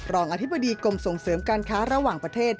รองอธิบดีกรมส่งเสริมการค้าระหว่างประเทศ